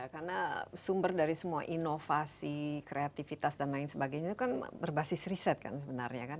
karena sumber dari semua inovasi kreativitas dan lain sebagainya itu kan berbasis riset kan sebenarnya